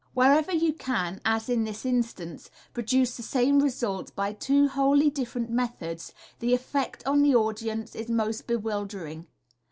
Wherever you can, as in this instance, produce the same result by two wholly different methods the effect on the audience is most bewildei ing.